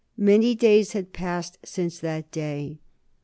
Many days had passed since that day.